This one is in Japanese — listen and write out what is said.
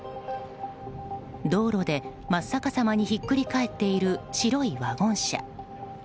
道路で真っ逆さまに引っくり返っている白いワゴン車。